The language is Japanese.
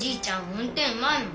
運転うまいもん。